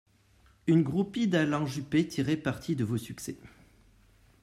Une groupie d'Alain Juppé tirait parti de vos succès.